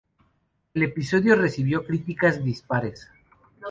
El episodio recibió críticas dispares.